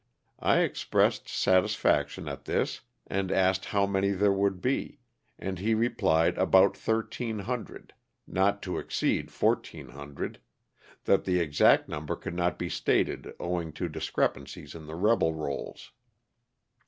I expressed satisfaction at this and asked how many there would be, and he replied about 1,300— not to exceed 1,400 — that the exact number could not be stated owing to discrepancies in the rebel rolls.